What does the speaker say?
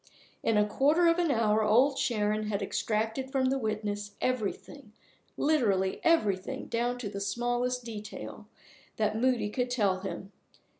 In a quarter of an hour Old Sharon had extracted from the witness everything, literally everything down to the smallest detail, that Moody could tell him.